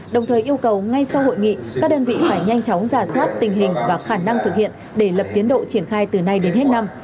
đồng thời yêu cầu ngay sau hội nghị các đơn vị phải nhanh chóng giả soát tình hình và khả năng thực hiện để lập tiến độ triển khai từ nay đến hết năm